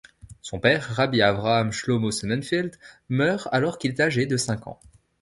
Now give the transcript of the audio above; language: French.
Son père, Rabbi Avraham Shlomo Sonnenfeld, meurt alors qu'il est âgé de cinq ans.